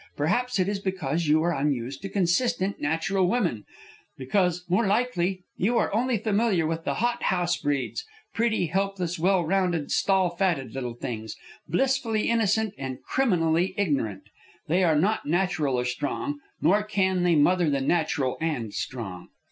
Perhaps it is because you are unused to consistent, natural women; because, more likely, you are only familiar with the hot house breeds, pretty, helpless, well rounded, stall fatted little things, blissfully innocent and criminally ignorant. They are not natural or strong; nor can they mother the natural and strong."